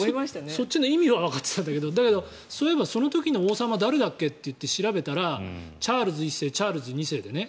そっちの意味はわかってたんだけどだけどそういうえばその時の王様って誰だっけって調べたら、チャールズ１世チャールズ２世でね。